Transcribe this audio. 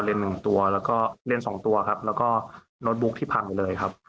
หนึ่งตัวแล้วก็เล่น๒ตัวครับแล้วก็โน้ตบุ๊กที่พังเลยครับ